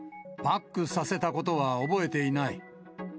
バックさせたことは覚えていない。